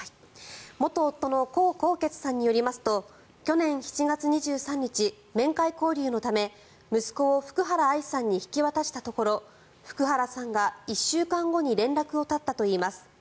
元夫のコウ・コウケツさんによりますと去年７月２３日、面会交流のため息子を福原愛さんに引き渡したところ福原さんは１週間後に連絡を絶ったといいます。